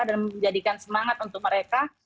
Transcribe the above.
dan menjadikan semangat untuk mereka